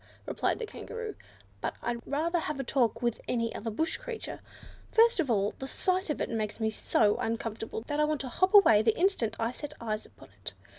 replied the Kangaroo, "but I'd rather have a talk with any other bush creature. First of all, the sight of it makes me so uncomfortable, that I want to hop away the instant I set eyes upon it.